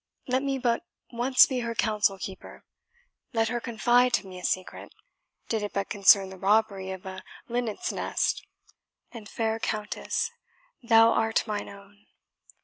Let me but once be her counsel keeper let her confide to me a secret, did it but concern the robbery of a linnet's nest, and, fair Countess, thou art mine own!"